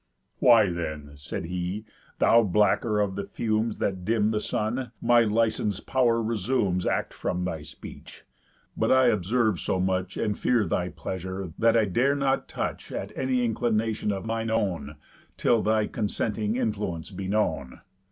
"Why then," said he, "thou blacker of the fumes That dim the sun, my licens'd pow'r resumes Act from thy speech; but I observe so much And fear thy pleasure, that, I dare not touch At any inclination of mine own, Till thy consenting influence be known.